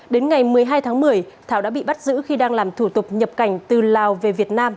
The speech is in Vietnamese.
đến ngày một mươi hai tháng một mươi thảo đã bị bắt giữ khi đang làm thủ tục nhập cảnh từ lào về việt nam